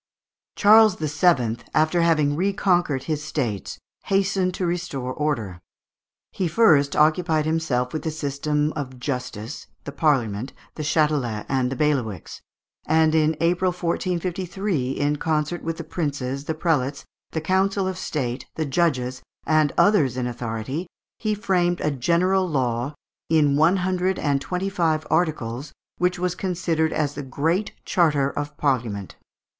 Charles VII, after having reconquered his states, hastened to restore order. He first occupied himself with the System of justice, the Parliament, the Châtelet, and the bailiwicks; and in April, 1453, in concert with the princes, the prelates, the council of State, the judges, and others in authority, he framed a general law, in one hundred and twenty five articles, which was considered as the great charter of Parliament (Fig.